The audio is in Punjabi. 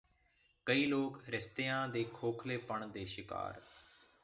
ਕੁਝ ਲੋਕ ਰਿਸ਼ਤਿਆਂ ਦੇ ਖੋਖਲੇਪਾਣ ਦੇ ਸ਼ਿਕਾਰ